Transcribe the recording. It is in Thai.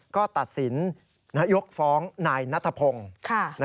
ก็ตัดสินยกฟ้องนายนัทพงศ์